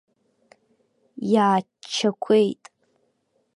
Иааччақәеит.